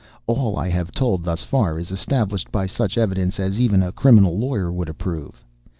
All I have told thus far is established by such evidence as even a criminal lawyer would approve.